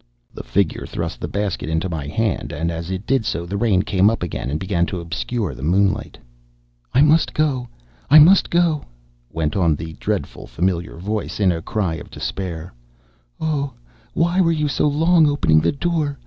_" The figure thrust the basket into my hand, and as it did so the rain came up again, and began to obscure the moonlight. "I must go, I must go," went on the dreadful, familiar voice, in a cry of despair. "Oh, why were you so long opening the door?